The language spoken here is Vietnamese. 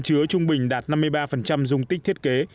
chứa trung bình đạt năm mươi ba dung tích thiết kế